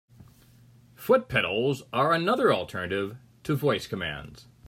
Foot pedals are another alternative to voice commands.